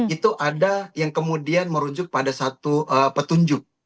itu ada yang kemudian merujuk pada satu petunjuk